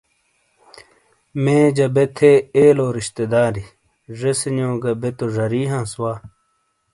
میجہ بے تھے ایلو رشتےداری ۔جےسینیو گہ بے تو زاری ہانس وا۔